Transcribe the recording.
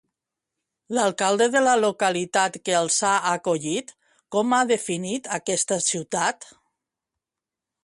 L'alcalde de la localitat que els ha acollit, com ha definit aquesta ciutat?